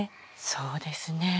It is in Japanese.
そうですね。